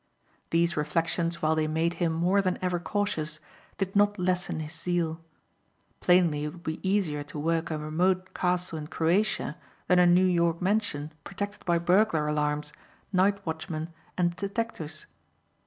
These reflections while they made him more than ever cautious did not lessen his zeal. Plainly it would be easier to work a remote castle in Croatia than a New York mansion protected by burglar alarms, night watchmen and detectives.